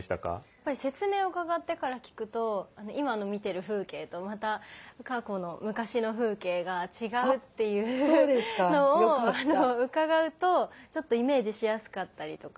やっぱり説明を伺ってから聴くと今の見てる風景とまた過去の昔の風景が違うっていうのを伺うとちょっとイメージしやすかったりとか。